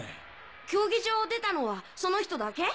競技場を出たのはその人だけ？